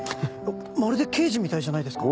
まるで刑事みたいじゃないですか。